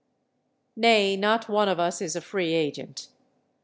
Nay, not one of us is a free agent.